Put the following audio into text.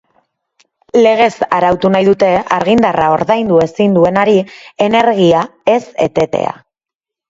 Legez arautu nahi dute argindarra ordaindu ezin duenari energia ez etetea.